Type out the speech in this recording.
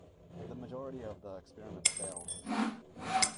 The majority of the experiments fail.